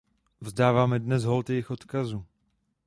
Vzdáváme dnes hold jejich odkazu.